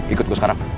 ikut gue sekarang